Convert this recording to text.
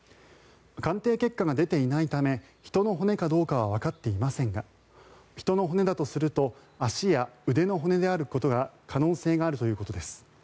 鑑定結果が出ていないため人の骨かどうかはわかっていませんが人の骨だとすると足や骨の可能性があるということです。